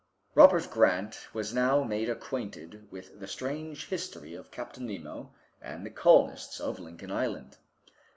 Robert Grant was now made acquainted with the strange history of Captain Nemo and the colonists of Lincoln Island.